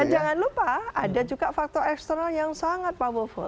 dan jangan lupa ada juga faktor eksternal yang sangat powerful